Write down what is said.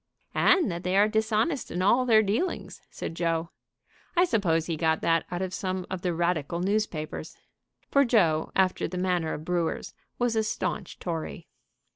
"And that they are dishonest in all their dealings," said Joe. "I suppose he got that out of some of the radical news papers." For Joe, after the manner of brewers, was a staunch Tory.